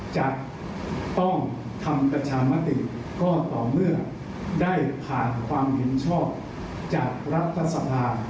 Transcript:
จะต้องทำประชามติก็ต่อเมื่อได้ผ่านความเห็นชอบจากรัฐสภา